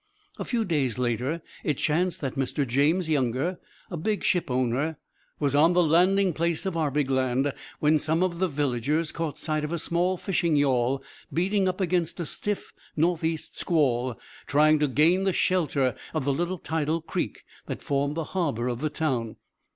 A few days later it chanced that Mr. James Younger, a big ship owner, was on the landing place of Arbigland when some of the villagers caught sight of a small fishing yawl beating up against a stiff northeast squall, trying to gain the shelter of the little tidal creek that formed the harbor of the town.